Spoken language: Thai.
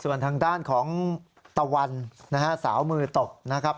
ส่วนทางด้านของตะวันนะฮะสาวมือตบนะครับ